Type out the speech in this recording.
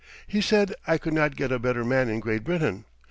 He said I could not get a better man in Great Britain.